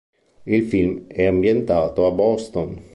Il film è ambientato a Boston.